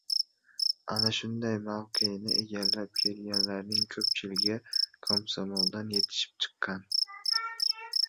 Ana shunday mavqeni egallab kelganlarning ko‘pchiligi komsomoldan yetishib chiqqan.